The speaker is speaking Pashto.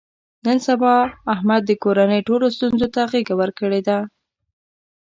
نن سبا احمد د کورنۍ ټولو ستونزو ته غېږه ورکړې ده.